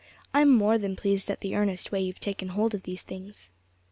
I'm more than pleased at the earnest way you've taken hold of these things."